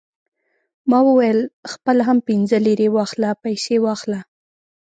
ما وویل: خپله هم پنځه لېرې واخله، پیسې واخله.